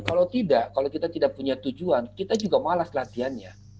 kalau tidak kalau kita tidak punya tujuan kita juga malas latihannya